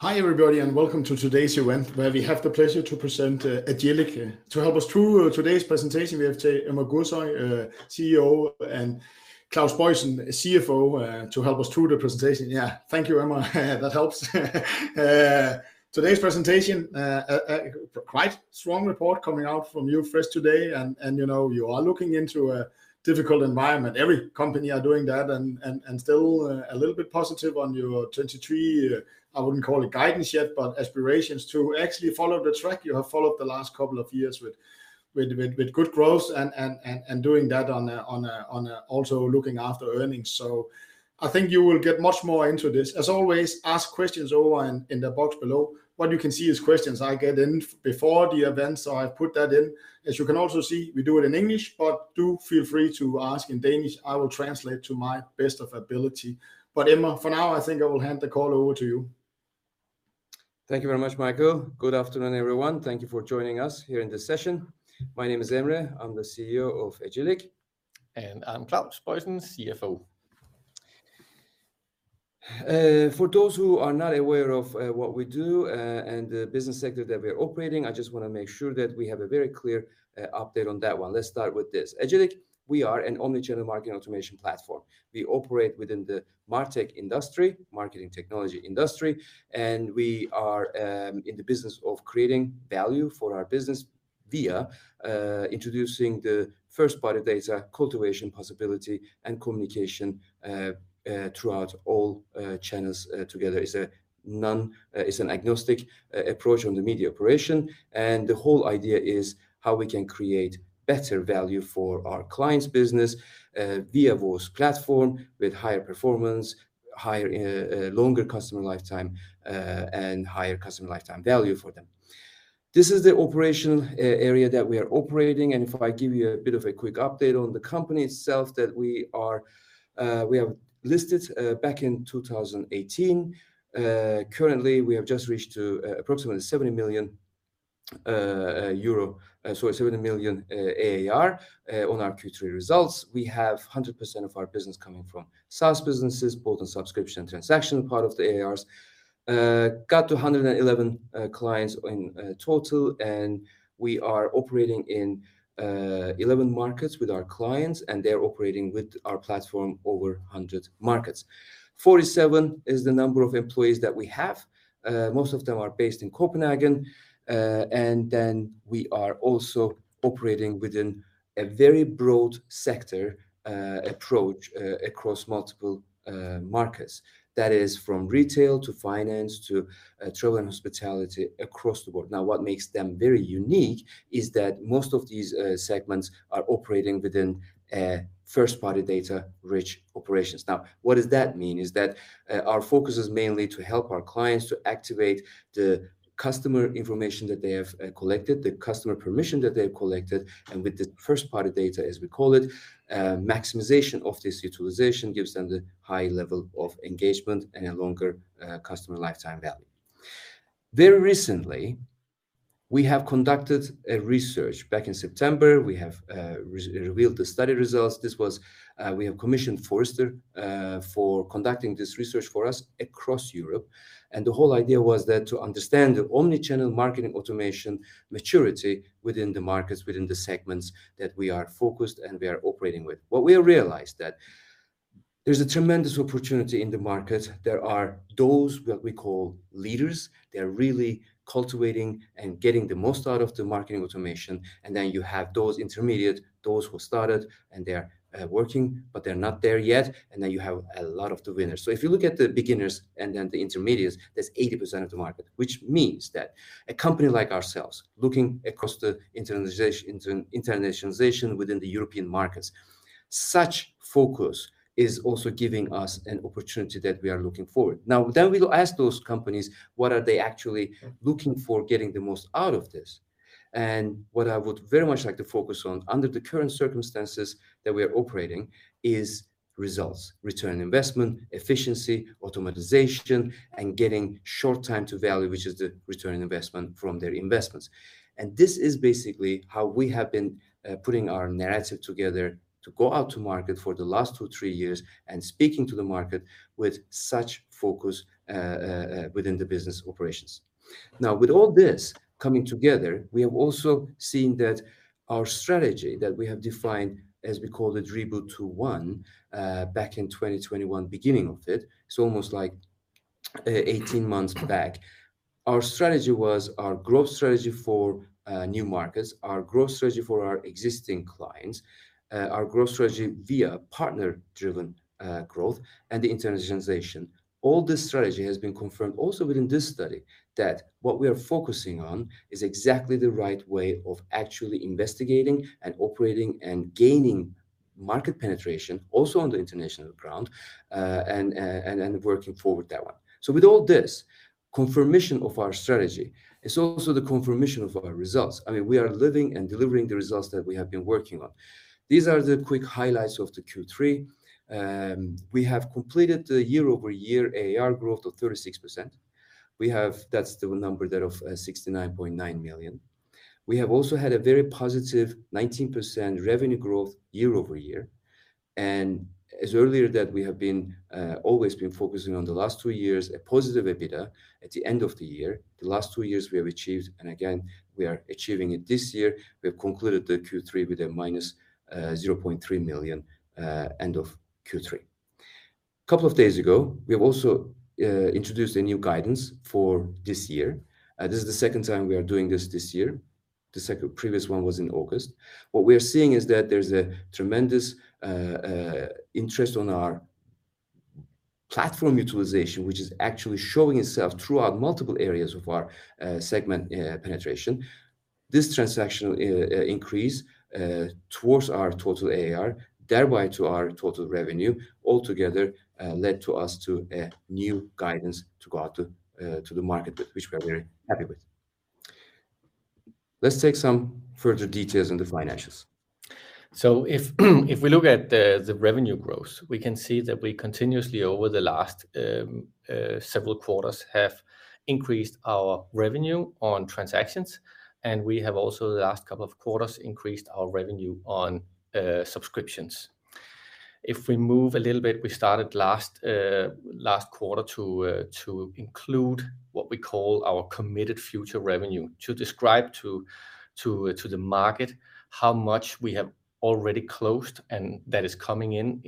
Hi everybody, and welcome to today's event where we have the pleasure to present Agillic. To help us through today's presentation, we have Emre Gürsoy, CEO, and Claus Boysen, CFO, to help us through the presentation. Yeah. Thank you, Emre, that helps. Today's presentation, quite strong report coming out from you first today and, you know, you are looking into a difficult environment. Every company are doing that, and still a little bit positive on your 2023, I wouldn't call it guidance yet, but aspirations to actually follow the track you have followed the last couple of years with good growth and doing that on a also looking after earnings. I think you will get much more into this. As always, ask questions over in the box below. What you can see is questions I get in before the event, so I put that in. As you can also see, we do it in English, but do feel free to ask in Danish. I will translate to the best of my ability. Emre, for now I think I will hand the call over to you. Thank you very much, Michael. Good afternoon everyone. Thank you for joining us here in this session. My name is Emre, I'm the CEO of Agillic. I'm Claus Boysen, CFO. For those who are not aware of what we do and the business sector that we are operating, I just wanna make sure that we have a very clear update on that one. Let's start with this. Agillic, we are an omnichannel marketing automation platform. We operate within the MarTech industry, marketing technology industry, and we are in the business of creating value for our business via introducing the first-party data cultivation possibility and communication throughout all channels together. It's an agnostic approach on the media operation, and the whole idea is how we can create better value for our clients' business via our platform with higher performance, longer customer lifetime and higher customer lifetime value for them. This is the operation area that we are operating. If I give you a bit of a quick update on the company itself, that we have listed back in 2018. Currently we have just reached to approximately 70 million ARR on our Q3 results. We have 100% of our business coming from SaaS businesses, both in subscription and transactional part of the ARRs. Got to 111 clients in total, and we are operating in 11 markets with our clients, and they're operating with our platform over 100 markets. 47 is the number of employees that we have, most of them are based in Copenhagen. We are also operating within a very broad sector approach across multiple markets. That is from retail to finance to travel and hospitality across the board. Now, what makes them very unique is that most of these segments are operating within first-party data-rich operations. Now, what does that mean? It is that our focus is mainly to help our clients to activate the customer information that they have collected, the customer permission that they have collected, and with the first-party data as we call it, maximization of this utilization gives them the high level of engagement and a longer customer lifetime value. Very recently, we have conducted a research back in September. We have revealed the study results. We have commissioned Forrester for conducting this research for us across Europe, and the whole idea was that to understand the omnichannel marketing automation maturity within the markets, within the segments that we are focused and we are operating with. What we have realized that there's a tremendous opportunity in the market. There are those what we call leaders, they're really cultivating and getting the most out of the marketing automation, and then you have those intermediate, those who started and they are working but they're not there yet, and then you have a lot of the beginners. If you look at the beginners and then the intermediates, that's 80% of the market. Which means that a company like ourselves, looking across the internationalization within the European markets, such focus is also giving us an opportunity that we are looking forward. Now we'll ask those companies what are they actually looking for getting the most out of this? What I would very much like to focus on under the current circumstances that we are operating is results, return on investment, efficiency, automation, and getting short time to value, which is the return on investment from their investments. This is basically how we have been putting our narrative together to go out to market for the last two to three years and speaking to the market with such focus within the business operations. Now, with all this coming together, we have also seen that our strategy that we have defined as we call it Reboot 2.1 back in 2021, beginning of it, so almost like 18 months back, our strategy was our growth strategy for new markets, our growth strategy for our existing clients, our growth strategy via partner-driven growth, and the internationalization. All this strategy has been confirmed also within this study that what we are focusing on is exactly the right way of actually investigating and operating and gaining market penetration also on the international ground, and working forward that one. With all this confirmation of our strategy, it's also the confirmation of our results. I mean, we are living and delivering the results that we have been working on. These are the quick highlights of the Q3. We have completed the year-over-year ARR growth of 36%. That's the number there of 69.9 million. We have also had a very positive 19% revenue growth year-over-year. As earlier that we have always been focusing on the last two years, a positive EBITDA at the end of the year. The last two years we have achieved, and again, we are achieving it this year. We have concluded the Q3 with a -0.3 million end of Q3. Couple of days ago, we have also introduced a new guidance for this year. This is the second time we are doing this this year. The previous one was in August. What we are seeing is that there's a tremendous interest in our platform utilization, which is actually showing itself throughout multiple areas of our segment penetration. This traction increase towards our total ARR, thereby to our total revenue altogether led us to a new guidance to go out to the market which we are very happy with. Let's take some further details on the financials. If we look at the revenue growth, we can see that we continuously over the last several quarters have increased our revenue on transactions, and we have also the last couple of quarters increased our revenue on subscriptions. If we move a little bit, we started last quarter to include what we call our committed future revenue to describe to the market how much we have already closed, and that is coming in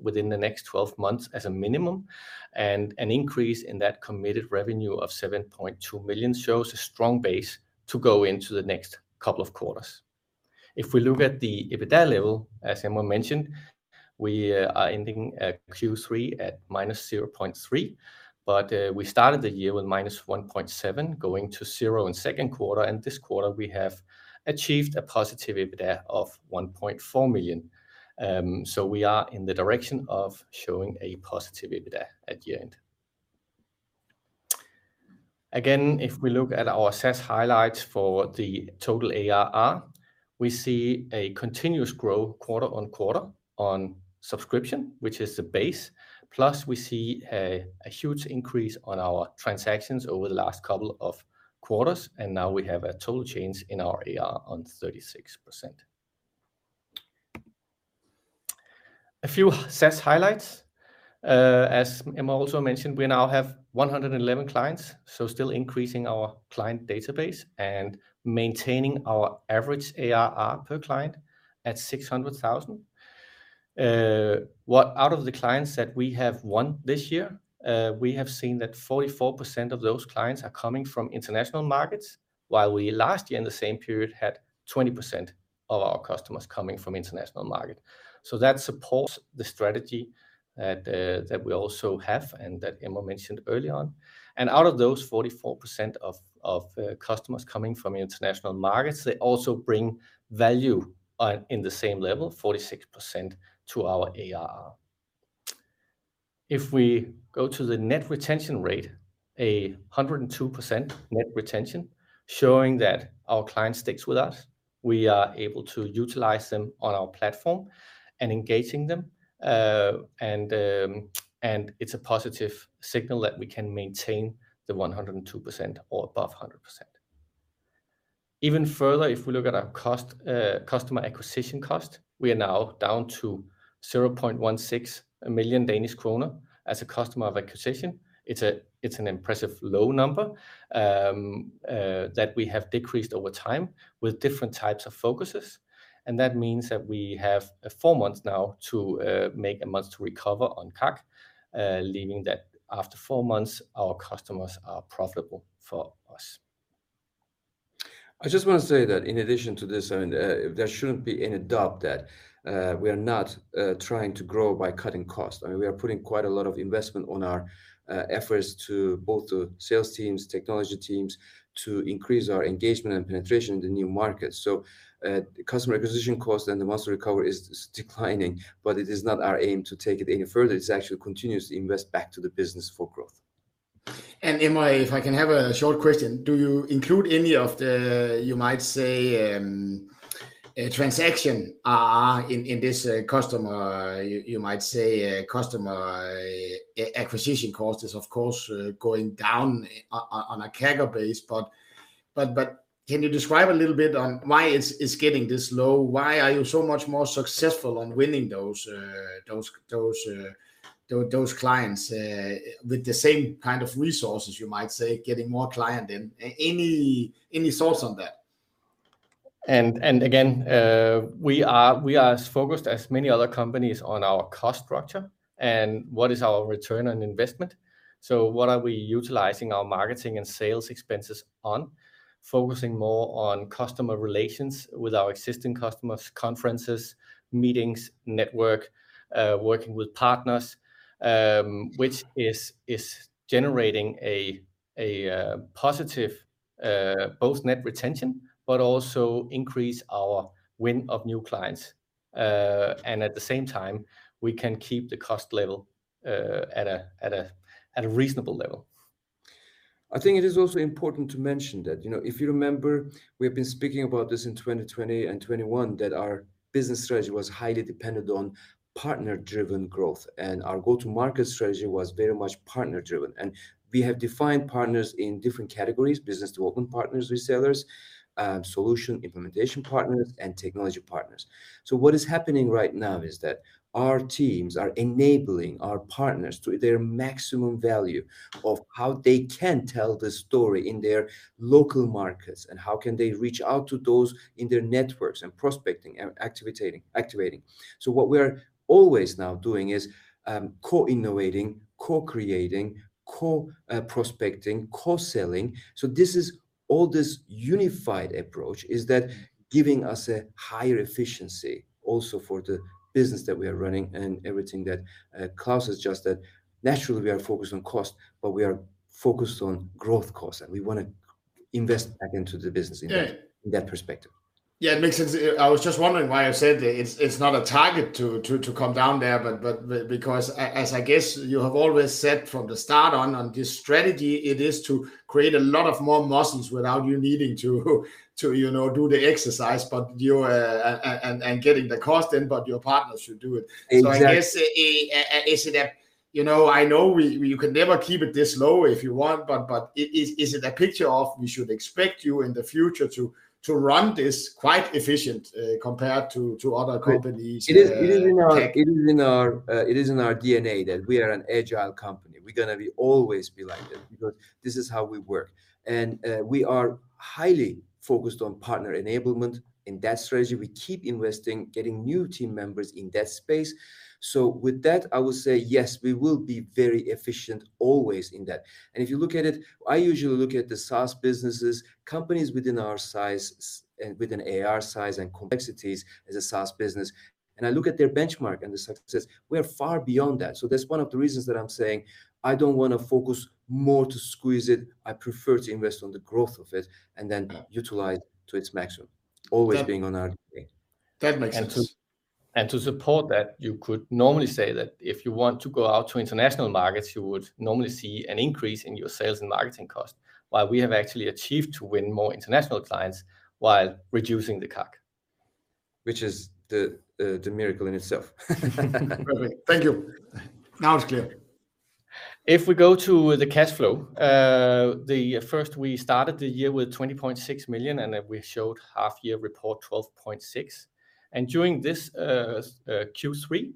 within the next 12 months as a minimum. An increase in that committed revenue of 7.2 million shows a strong base to go into the next couple of quarters. If we look at the EBITDA level, as Emre mentioned, we are ending Q3 at -0.3. We started the year with -1.7 going to zero in second quarter, and this quarter we have achieved a positive EBITDA of 1.4 million. We are in the direction of showing a positive EBITDA at year-end. Again, if we look at our SaaS highlights for the total ARR, we see a continuous growth quarter-on-quarter on subscription, which is the base. Plus, we see a huge increase on our transactions over the last couple of quarters, and now we have a total change in our ARR of 36%. A few SaaS highlights, as Emre also mentioned, we now have 111 clients, so still increasing our client database and maintaining our average ARR per client at 600,000. Out of the clients that we have won this year, we have seen that 44% of those clients are coming from international markets, while we last year in the same period had 20% of our customers coming from international market. That supports the strategy that we also have and that Emre mentioned early on. Out of those 44% of customers coming from international markets, they also bring value in the same level, 46% to our ARR. If we go to the net retention rate, 102% net retention, showing that our client sticks with us, we are able to utilize them on our platform and engaging them. It's a positive signal that we can maintain the 102% or above 100%. Even further, if we look at our cost, customer acquisition cost, we are now down to 0.16 million Danish kroner as a cost of acquisition. It's an impressive low number that we have decreased over time with different types of focuses. That means that we have four months now to recover on CAC, meaning that after four months, our customers are profitable for us. I just want to say that in addition to this, I mean, there shouldn't be any doubt that we are not trying to grow by cutting cost. I mean, we are putting quite a lot of investment on our efforts to both the sales teams, technology teams to increase our engagement and penetration in the new markets. Customer acquisition cost and the months to recover is declining, but it is not our aim to take it any further. It's actually continuous to invest back to the business for growth. Emre, if I can have a short question. Do you include any of the, you might say, transaction in this customer acquisition cost? You might say customer acquisition cost is of course going down on a CAGR base. But can you describe a little bit on why it's getting this low? Why are you so much more successful on winning those clients with the same kind of resources, you might say, getting more client in? Any thoughts on that? Again, we are as focused as many other companies on our cost structure and what is our return on investment. What are we utilizing our marketing and sales expenses on? Focusing more on customer relations with our existing customers, conferences, meetings, network, working with partners, which is generating a positive both net retention but also increase our win of new clients. At the same time, we can keep the cost level at a reasonable level. I think it is also important to mention that, you know, if you remember, we have been speaking about this in 2020 and 2021, that our business strategy was highly dependent on partner-driven growth, and our go-to-market strategy was very much partner-driven. We have defined partners in different categories, business development partners, resellers, solution implementation partners, and technology partners. What is happening right now is that our teams are enabling our partners to their maximum value of how they can tell the story in their local markets and how can they reach out to those in their networks and prospecting, activating. What we're always now doing is co-innovating, co-creating, co-prospecting, co-selling. This all unified approach is giving us a higher efficiency also for the business that we are running and everything that Claus has just said. Naturally, we are focused on cost, but we are focused on growth cost, and we wanna invest back into the business. Yeah In that perspective. Yeah, it makes sense. I was just wondering why you said that it's not a target to come down there, but because as I guess you have always said from the start on this strategy, it is to create a lot of more muscles without you needing to you know do the exercise. But you're and getting the cost in, but your partners should do it. Exactly. I guess, you know, I know you can never keep it this low if you want, but is it a picture of what we should expect you in the future to run this quite efficiently, compared to other companies? It is, it is in our- tech It is in our DNA that we are an agile company. We're gonna always be like that because this is how we work. We are highly focused on partner enablement. In that strategy, we keep investing, getting new team members in that space. With that, I would say yes, we will be very efficient always in that. If you look at it, I usually look at the SaaS businesses, companies within our size and within ARR size and complexities as a SaaS business, and I look at their benchmark and the successes. We are far beyond that. That's one of the reasons that I'm saying I don't wanna focus more to squeeze it. I prefer to invest on the growth of it and then utilize to its maximum, always being on our. That makes sense. To support that, you could normally say that if you want to go out to international markets, you would normally see an increase in your sales and marketing costs. While we have actually achieved to win more international clients while reducing the CAC. Which is the miracle in itself. Perfect. Thank you. Now it's clear. If we go to the cash flow, the first, we started the year with 20.6 million, and then we showed half year report 12.6. During this, Q3,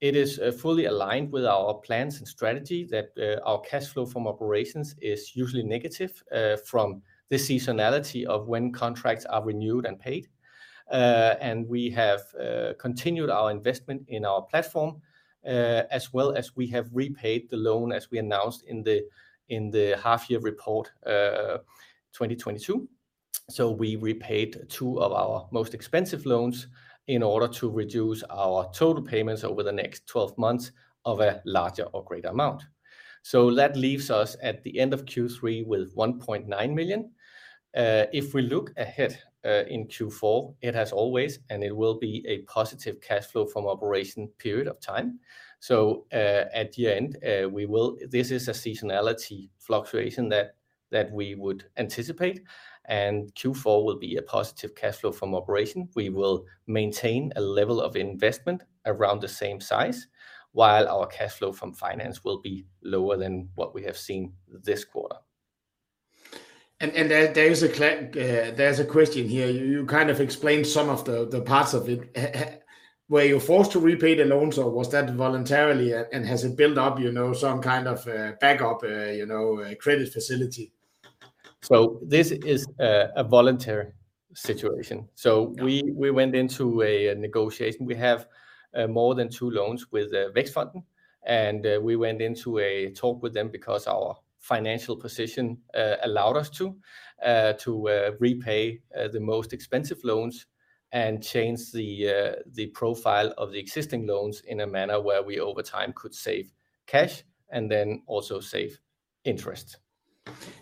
it is fully aligned with our plans and strategy that our cash flow from operations is usually negative from the seasonality of when contracts are renewed and paid. We have continued our investment in our platform, as well as we have repaid the loan as we announced in the half year report, 2022. We repaid two of our most expensive loans in order to reduce our total payments over the next 12 months of a larger or greater amount. That leaves us at the end of Q3 with 1.9 million. If we look ahead, in Q4, it has always and it will be a positive cash flow from operation period of time. At the end, this is a seasonality fluctuation that we would anticipate, and Q4 will be a positive cash flow from operation. We will maintain a level of investment around the same size, while our cash flow from finance will be lower than what we have seen this quarter. There is a question here. You kind of explained some of the parts of it. Were you forced to repay the loans, or was that voluntarily? Has it built up, you know, some kind of backup, you know, a credit facility? This is a voluntary situation. Yeah. We went into a negotiation. We have more than two loans with Vækstfonden, and we went into a talk with them because our financial position allowed us to repay the most expensive loans and change the profile of the existing loans in a manner where we over time could save cash and then also save interest.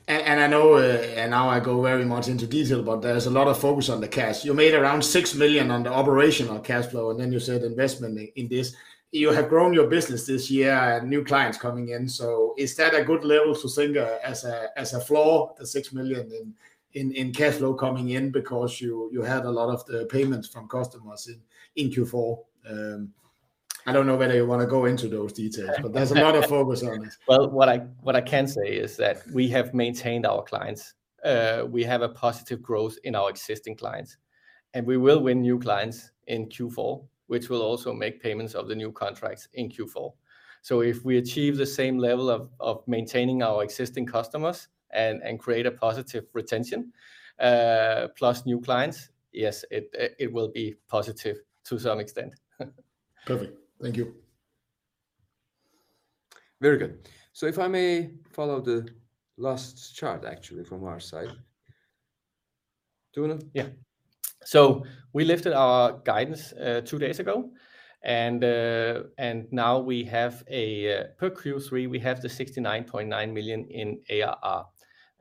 I know, and now I go very much into detail, there is a lot of focus on the cash. You made around 6 million on the operational cash flow, and then you said investment in this. You have grown your business this year and new clients coming in, so is that a good level to think as a floor, the 6 million in cash flow coming in because you have a lot of the payments from customers in Q4? I don't know whether you wanna go into those details. There's a lot of focus on it. Well, what I can say is that we have maintained our clients. We have a positive growth in our existing clients, and we will win new clients in Q4, which will also make payments of the new contracts in Q4. If we achieve the same level of maintaining our existing customers and create a positive retention, plus new clients, yes, it will be positive to some extent. Perfect. Thank you. Very good. If I may follow the last chart actually from our side. Do you want to? Yeah. We lifted our guidance two days ago, and now, as per Q3, we have 69.9 million in ARR.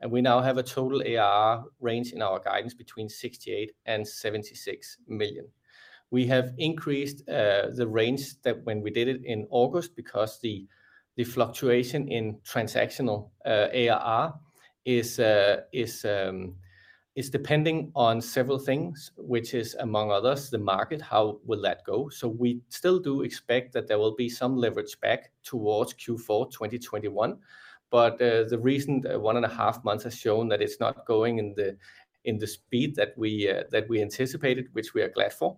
We now have a total ARR range in our guidance between 68 million and 76 million. We have increased the range than when we did it in August because the fluctuation in transactional ARR is depending on several things, which is among others, the market, how will that go? We still do expect that there will be some leverage back towards Q4 2021, but the recent one and half months has shown that it's not going at the speed that we anticipated, which we are glad for.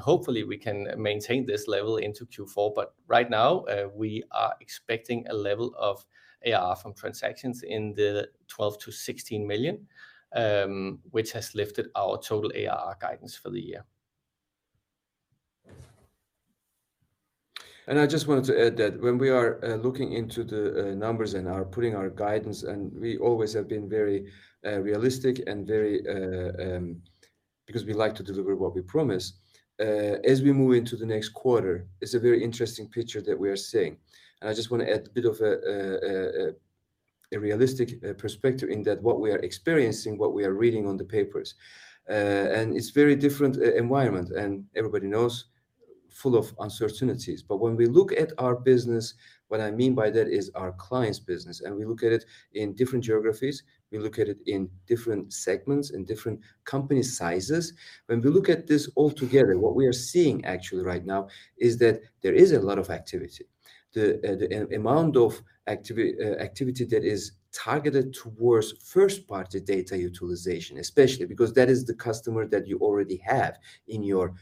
Hopefully we can maintain this level into Q4, but right now, we are expecting a level of ARR from transactions in the 12 million-16 million, which has lifted our total ARR guidance for the year. I just wanted to add that when we are looking into the numbers and are putting our guidance, and we always have been very realistic and very. Because we like to deliver what we promise. As we move into the next quarter, it's a very interesting picture that we are seeing. I just want to add a bit of a realistic perspective in that what we are experiencing, what we are reading in the papers. It's a very different environment, and everybody knows, full of uncertainties. When we look at our business, what I mean by that is our clients' business, and we look at it in different geographies, we look at it in different segments, in different company sizes. When we look at this all together, what we are seeing actually right now is that there is a lot of activity. The amount of activity that is targeted towards first-party data utilization, especially because that is the customer that you already have in your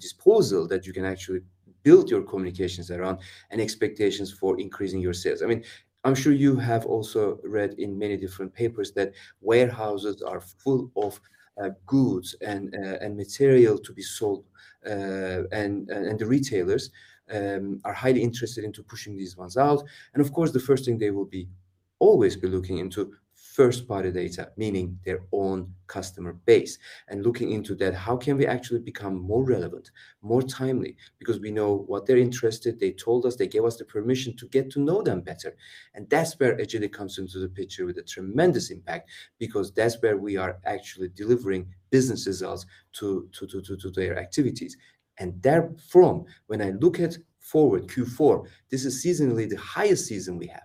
disposal that you can actually build your communications around and expectations for increasing your sales. I mean, I'm sure you have also read in many different papers that warehouses are full of goods and material to be sold. The retailers are highly interested in pushing these ones out. Of course, the first thing they will always be looking into first-party data, meaning their own customer base, and looking into that, how can we actually become more relevant, more timely? Because we know what they're interested in. They told us. They gave us the permission to get to know them better. That's where Agillic comes into the picture with a tremendous impact because that's where we are actually delivering business results to their activities. From there, when I look at forward Q4, this is seasonally the highest season we have,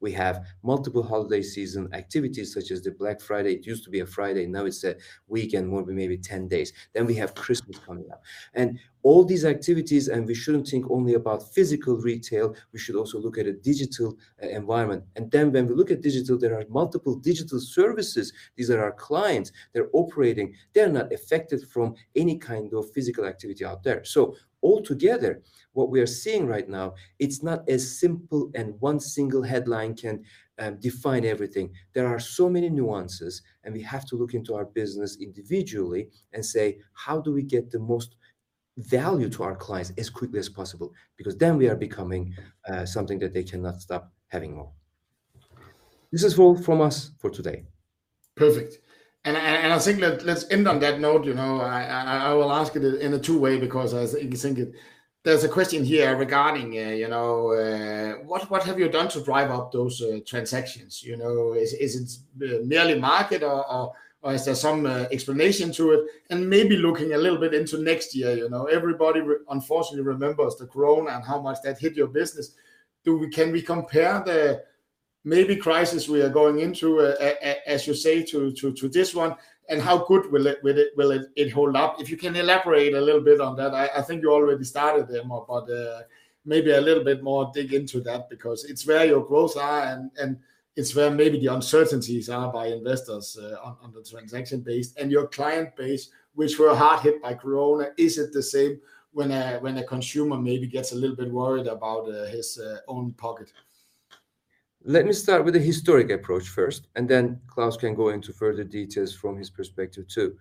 we have multiple holiday season activities such as Black Friday. It used to be a Friday, now it's a weekend, will be maybe 10 days. We have Christmas coming up. All these activities, we shouldn't think only about physical retail, we should also look at a digital environment. When we look at digital, there are multiple digital services. These are our clients. They're operating. They're not affected from any kind of physical activity out there. All together, what we are seeing right now, it's not as simple as one single headline can define everything. There are so many nuances, and we have to look into our business individually and say, "How do we get the most value to our clients as quickly as possible?" Because then we are becoming something that they cannot stop having more. This is all from us for today. Perfect. I think let's end on that note. You know, I will ask it in a two-way because I was thinking there's a question here regarding, you know, what have you done to drive up those transactions? You know, is it merely market or is there some explanation to it? Maybe looking a little bit into next year. You know, everybody unfortunately remembers the corona and how much that hit your business. Can we compare the maybe crisis we are going into, as you say, to this one? How good will it hold up? If you can elaborate a little bit on that. I think you already started there more, but maybe a little bit more dig into that because it's where your growth are and it's where maybe the uncertainties are by investors on the transaction base and your client base, which were hard hit by corona. Is it the same when a consumer maybe gets a little bit worried about his own pocket? Let me start with the historical approach first, and then Claus can go into further details from his perspective too.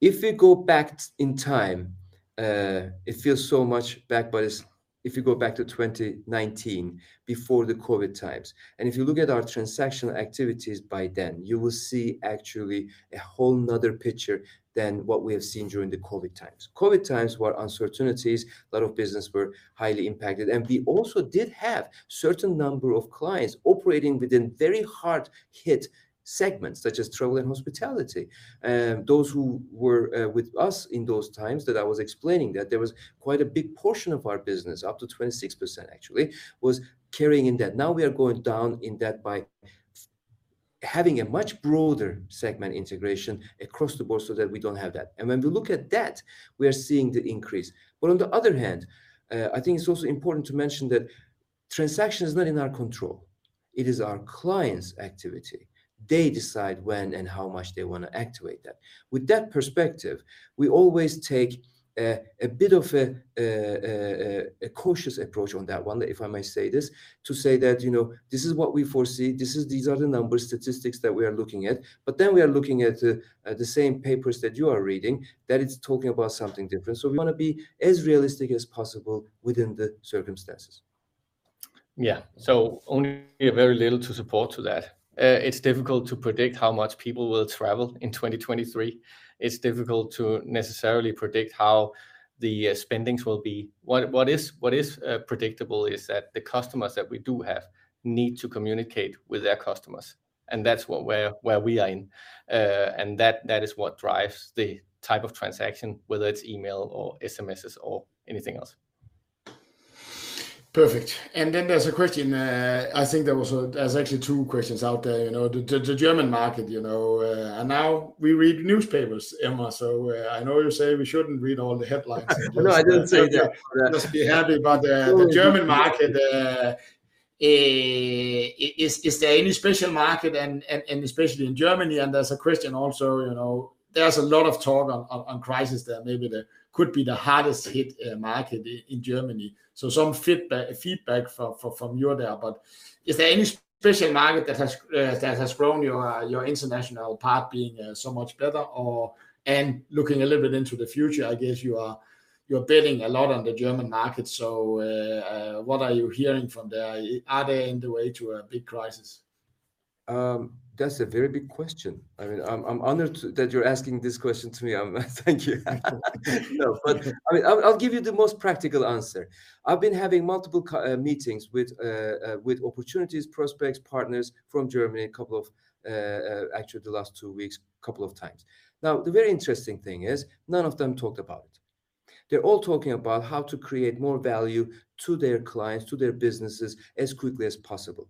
If we go back in time, if you go back to 2019, before the COVID times, and if you look at our transactional activities by then, you will see actually a whole nother picture than what we have seen during the COVID times. COVID times were uncertainties, a lot of business were highly impacted, and we also did have certain number of clients operating within very hard-hit segments, such as travel and hospitality. Those who were with us in those times that I was explaining, that there was quite a big portion of our business, up to 26% actually, was carrying in that. Now we are going down in that by having a much broader segment integration across the board so that we don't have that. When we look at that, we are seeing the increase. On the other hand, I think it's also important to mention that transaction is not in our control. It is our clients' activity. They decide when and how much they want to actuate that. With that perspective, we always take a bit of a cautious approach on that one, if I may say this, to say that, you know, "This is what we foresee. These are the numbers, statistics that we are looking at." Then we are looking at the same papers that you are reading, that it's talking about something different. We want to be as realistic as possible within the circumstances. Yeah. Only a very little support to that. It's difficult to predict how much people will travel in 2023. It's difficult to necessarily predict how the spending will be. What is predictable is that the customers that we do have need to communicate with their customers, and that's where we are in. And that is what drives the type of transaction, whether it's email or SMS or anything else. Perfect. Then there's actually two questions out there, you know, the German market, you know, and now we read newspapers, Emre. I know you say we shouldn't read all the headlines. No, I didn't say that. You must be happy about the. No The German market. Is there any special market and especially in Germany, and there's a question also, you know, there's a lot of talk of crisis there. Maybe they could be the hardest hit market in Germany. Some feedback from you there. Is there any special market that has grown your international part being so much better? Or, and looking a little bit into the future, I guess you're betting a lot on the German market, so what are you hearing from there? Are they on the way to a big crisis? That's a very big question. I mean, I'm honored that you're asking this question to me. Thank you. No, but I mean, I'll give you the most practical answer. I've been having multiple meetings with opportunities, prospects, partners from Germany, a couple of actually the last two weeks, couple of times. Now, the very interesting thing is none of them talked about it. They're all talking about how to create more value to their clients, to their businesses as quickly as possible.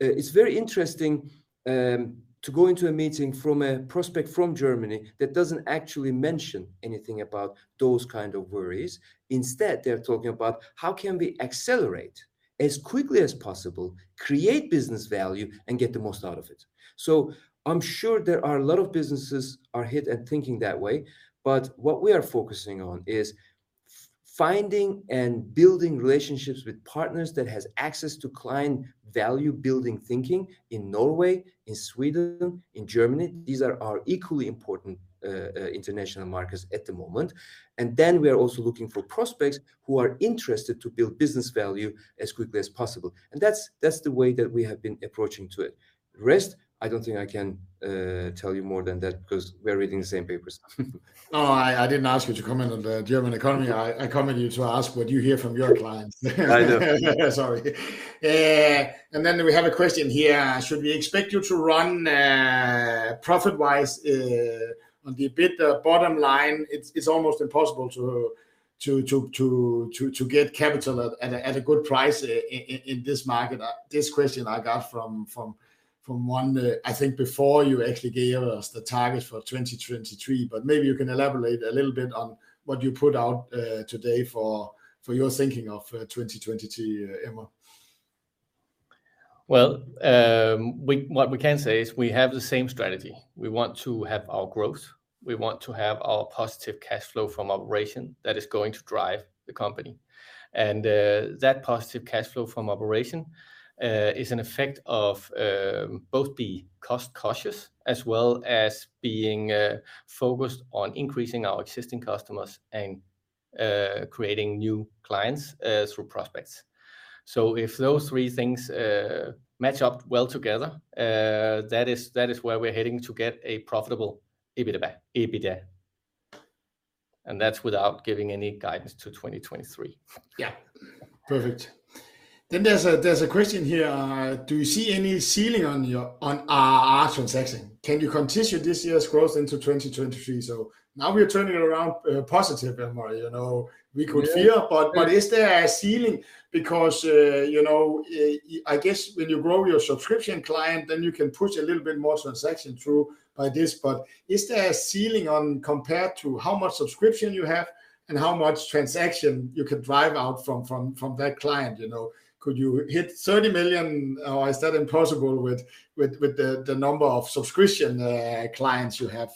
It's very interesting to go into a meeting from a prospect from Germany that doesn't actually mention anything about those kind of worries. Instead, they're talking about how can we accelerate as quickly as possible, create business value, and get the most out of it. I'm sure there are a lot of businesses are hit and thinking that way, but what we are focusing on is finding and building relationships with partners that has access to client value building thinking in Norway, in Sweden, in Germany. These are our equally important international markets at the moment. Then we are also looking for prospects who are interested to build business value as quickly as possible, and that's the way that we have been approaching to it. Rest, I don't think I can tell you more than that because we're reading the same papers. No, I didn't ask you to comment on the German economy. Yeah. I recommend you to ask what you hear from your clients. I know. Sorry. We have a question here. Should we expect you to run profit-wise on the EBITDA bottom line? It's almost impossible to get capital at a good price in this market. This question I got from one, I think before you actually gave us the target for 2023, but maybe you can elaborate a little bit on what you put out today for your thinking of 2023, Emre. Well, what we can say is we have the same strategy. We want to have our growth. We want to have our positive cash flow from operation that is going to drive the company. That positive cash flow from operation is an effect of both being cost cautious as well as being focused on increasing our existing customers and creating new clients through prospects. If those three things match up well together, that is where we're heading to get a profitable EBITDA. That's without giving any guidance to 2023. Yeah. Perfect. Then there's a question here. Do you see any ceiling on your traction? Can you continue this year's growth into 2023? Now we are turning around positive, Emre. You know, we could fear- Yeah. Is there a ceiling? Because, you know, I guess when you grow your subscription client, then you can push a little bit more transaction through by this. Is there a ceiling on, compared to how much subscription you have and how much transaction you can drive out from that client, you know? Could you hit 30 million, or is that impossible with the number of subscription clients you have?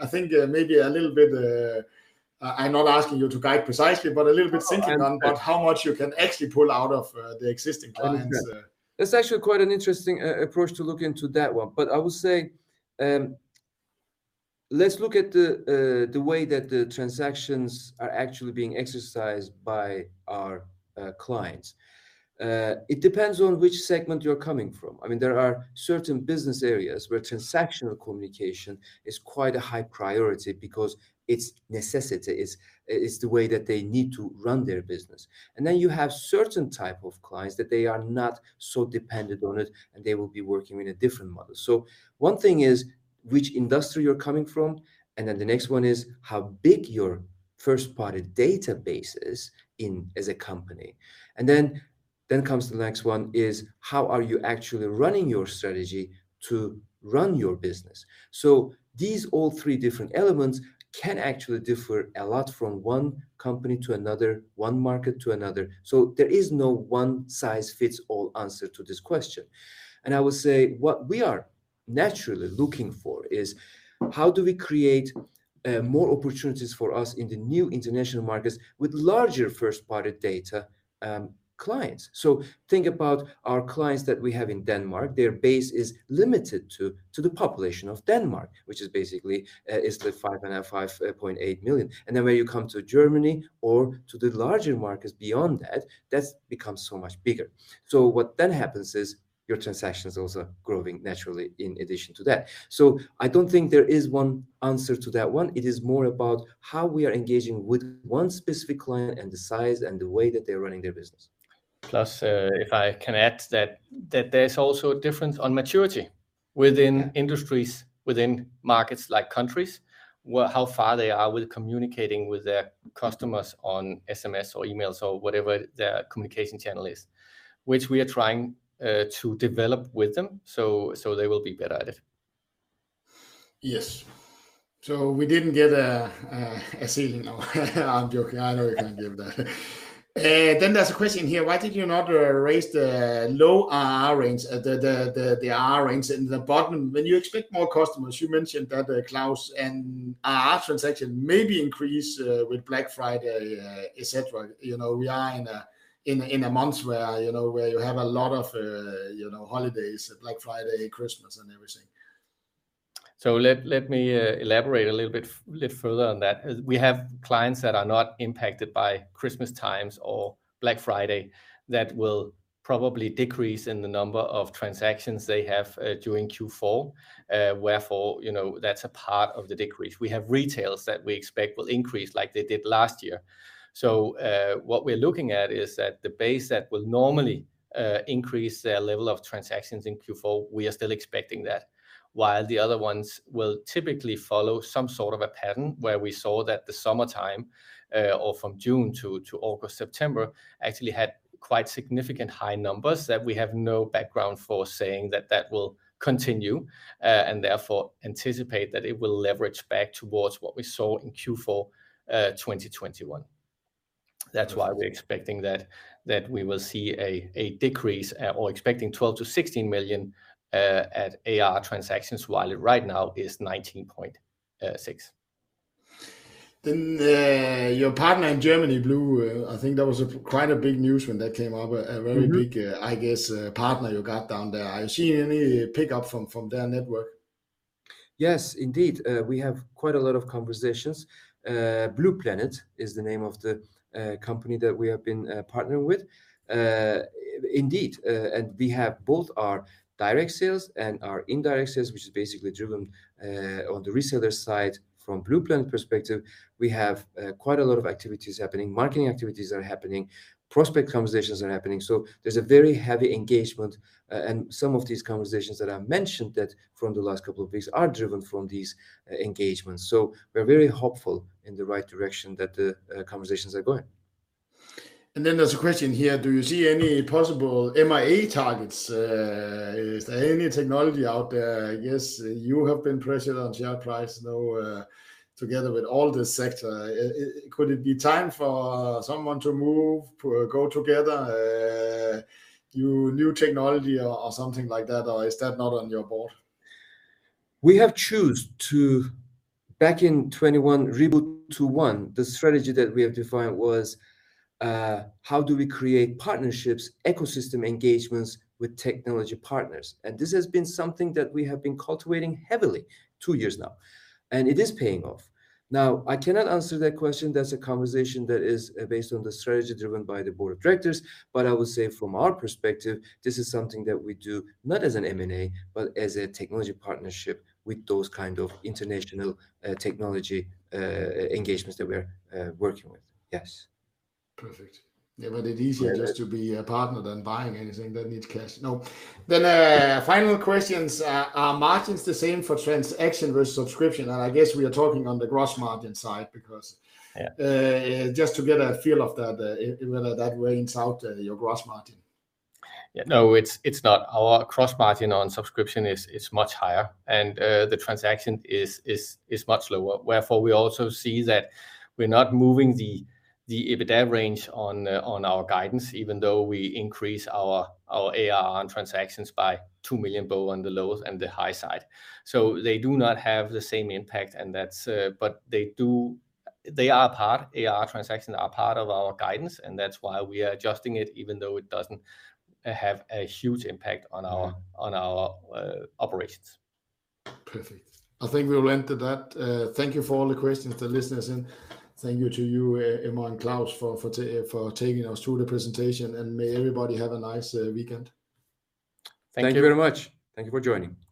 I think, maybe a little bit, I'm not asking you to guide precisely, but a little bit thinking on Oh, I'm... on how much you can actually pull out of the existing clients. Understand. That's actually quite an interesting approach to look into that one. I would say, let's look at the way that the transactions are actually being exercised by our clients. It depends on which segment you're coming from. I mean, there are certain business areas where transactional communication is quite a high priority because it's necessity. It's the way that they need to run their business. Then you have certain type of clients that they are not so dependent on it, and they will be working in a different model. One thing is which industry you're coming from, and then the next one is how big your first-party database is, as a company. Then comes the next one is how are you actually running your strategy to run your business? These all three different elements can actually differ a lot from one company to another, one market to another. There is no one size fits all answer to this question. I would say what we are naturally looking for is how do we create more opportunities for us in the new international markets with larger first-party data clients. Think about our clients that we have in Denmark. Their base is limited to the population of Denmark, which is basically the 5.8 million. Then when you come to Germany or to the larger markets beyond that's become so much bigger. What then happens is your transactions also growing naturally in addition to that. I don't think there is one answer to that one. It is more about how we are engaging with one specific client and the size and the way that they're running their business. Plus, if I can add that there's also a difference on maturity within industries, within markets like countries, where how far they are with communicating with their customers on SMS or emails or whatever their communication channel is, which we are trying to develop with them so they will be better at it. Yes. We didn't get a ceiling. No, I'm joking. I know you can't give that. There's a question here: Why did you not raise the low ARR range, the ARR range in the bottom when you expect more customers? You mentioned that, Claus, and ARR transaction maybe increase with Black Friday, et cetera. You know, we are in a month where, you know, where you have a lot of, you know, holidays, Black Friday, Christmas and everything. Let me elaborate a little bit further on that. We have clients that are not impacted by Christmas times or Black Friday that will probably decrease in the number of transactions they have during Q4. Therefore, you know, that's a part of the decrease. We have retailers that we expect will increase like they did last year. What we're looking at is that the base that will normally increase their level of transactions in Q4, we are still expecting that, while the other ones will typically follow some sort of a pattern where we saw that the summertime or from June to August, September, actually had quite significant high numbers that we have no background for saying that will continue, and therefore anticipate that it will level back towards what we saw in Q4 2021. That's why we're expecting that we will see a decrease or expecting 12-16 million in ARR transactions, while right now it's 19.6 million. Your partner in Germany, bluplanet, I think that was quite a big news when that came out. Mm-hmm. A very big, I guess, partner you got down there. Are you seeing any pickup from their network? Yes, indeed. We have quite a lot of conversations. bluplanet is the name of the company that we have been partnering with. Indeed, and we have both our direct sales and our indirect sales, which is basically driven on the reseller side. From bluplanet perspective, we have quite a lot of activities happening. Marketing activities are happening. Prospect conversations are happening. There's a very heavy engagement, and some of these conversations that I mentioned from the last couple of weeks are driven from these engagements. We're very hopeful in the right direction that the conversations are going. There's a question here: Do you see any possible M&A targets? Is there any technology out there? I guess you have been pressured on share price now, together with all the sector. Could it be time for someone to move or go together, your new technology or something like that? Or is that not on your board? We have chosen to, back in 2021, Reboot 2.1. The strategy that we have defined was how do we create partnerships, ecosystem engagements with technology partners? This has been something that we have been cultivating heavily for two years now, and it is paying off. Now, I cannot answer that question. That's a conversation that is based on the strategy driven by the board of directors. I would say from our perspective, this is something that we do not as an M&A, but as a technology partnership with those kind of international technology engagements that we're working with. Yes. Perfect. Yeah, but it's easier. Yeah just to be a partner rather than buying anything that needs cash. No. Final questions. Are margins the same for transaction versus subscription? And I guess we are talking on the gross margin side because Yeah Just to get a feel of that, whether that weighs out, your gross margin. Yeah. No, it's not. Our gross margin on subscription is much higher and the transaction is much lower. Therefore, we also see that we're not moving the EBITDA range on our guidance, even though we increase our ARR on transactions by 2 million below on the low and the high side. They do not have the same impact and that's, but they do. They are a part. ARR transactions are part of our guidance, and that's why we are adjusting it, even though it doesn't have a huge impact on our. Mm-hmm on our operations. Perfect. I think we'll end it there. Thank you for all the questions to listeners, and thank you to you, Emre and Claus, for taking us through the presentation, and may everybody have a nice weekend. Thank you. Thank you very much. Thank you for joining.